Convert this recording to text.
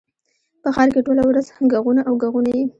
په ښار کښي ټوله ورځ ږغونه او ږغونه يي.